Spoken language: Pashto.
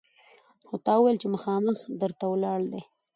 خو تا ویل چې مخامخ در ته ولاړ دی!